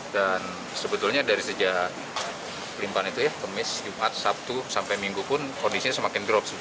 dan sebetulnya dari sejak kelimpahan itu ya kemis jumat sabtu sampai minggu pun kondisinya semakin drop